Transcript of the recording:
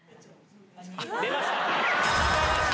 出ました。